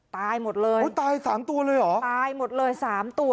ตายหมดเลยอุ้ยตายสามตัวเลยเหรอตายหมดเลยสามตัว